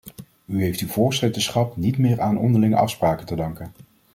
U heeft uw voorzitterschap niet meer aan onderlinge afspraken te danken.